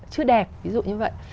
chưa đẹp ví dụ như vậy